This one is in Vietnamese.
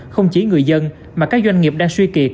không chỉ người dân mà các doanh nghiệp đang suy kiệt